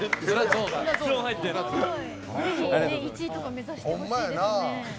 ぜひ１位とか目指してほしいですね。